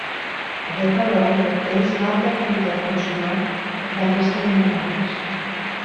Aquest valor reflecteix l'alta activitat funcional d'aquestes membranes.